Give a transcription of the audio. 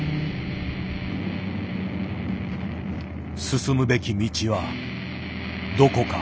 進むべき道はどこか。